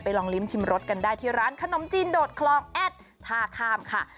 ลองลิ้มชิมรสกันได้ที่ร้านขนมจีนโดดคลองแอดท่าข้ามค่ะ